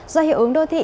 do hiệu ứng đô thị